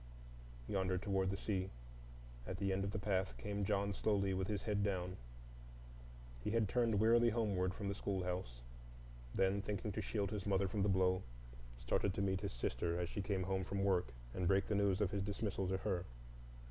Yonder, toward the sea, at the end of the path, came John slowly, with his head down. He had turned wearily homeward from the schoolhouse; then, thinking to shield his mother from the blow, started to meet his sister as she came from work and break the news of his dismissal to her.